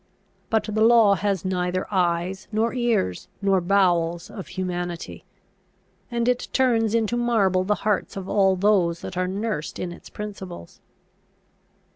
But the law has neither eyes, nor ears, nor bowels of humanity; and it turns into marble the hearts of all those that are nursed in its principles.